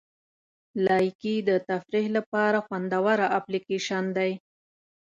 لایکي د تفریح لپاره خوندوره اپلیکیشن دی.